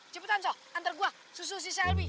cepetan so antar gua susu si selby